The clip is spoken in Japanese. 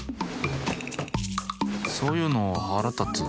そういうのはらたつ。